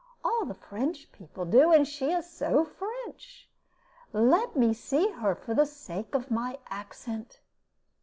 All the French people do; and she is so French! Let me see her, for the sake of my accent."